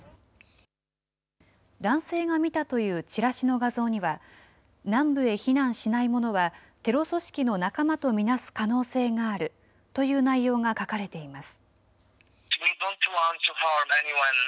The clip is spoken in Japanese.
男性が見たというチラシの画像には、南部へ避難しない者は、テロ組織の仲間とみなす可能性があるという内容が書かれています。